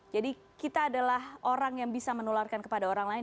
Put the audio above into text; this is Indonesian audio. jadi kita adalah orang yang bisa menularkan kepada orang lain